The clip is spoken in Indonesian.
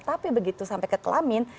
tapi begitu sampai ke kelamin